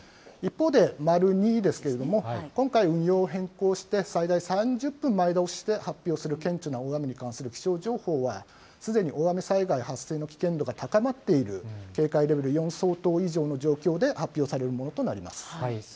一方で丸２ですけれども、今回運用を変更して、最大３０分前倒しして発表する、顕著な大雨に関する気象情報は、すでに大雨災害発生の危険度が高まっている、警戒レベル４相当以上の状況で発表されるものとなります。